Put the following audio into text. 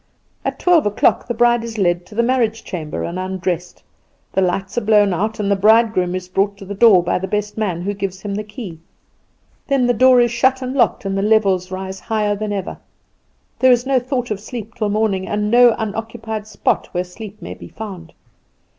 At twelve o'clock the bride is led to the marriage chamber and undressed; the lights are blown out, and the bridegroom is brought to the door by the best man, who gives him the key; then the door is shut and locked, and the revels rise higher than ever. There is no thought of sleep till morning, and no unoccupied spot where sleep may be found.